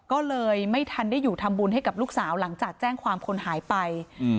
ก็เลยไม่ทันได้อยู่ทำบุญให้กับลูกสาวหลังจากแจ้งความคนหายไปอืม